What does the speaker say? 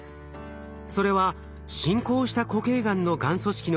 それは進行した固形がんのがん組織の